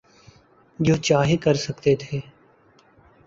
جو چاہے کر سکتے تھے۔